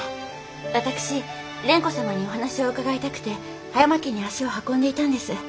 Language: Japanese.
私蓮子様にお話を伺いたくて葉山家に足を運んでいたんです。